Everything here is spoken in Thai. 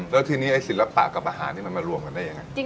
แล้วทีนี้ไอ้ศิลปะกับอาหารนี่มันมารวมกันได้ยังไง